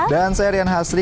dan saya rian hasri